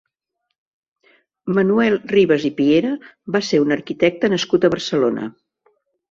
Manuel Ribas i Piera va ser un arquitecte nascut a Barcelona.